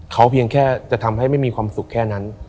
เขาเพียงแค่จะทำให้ไม่มีความสุขแค่นั้น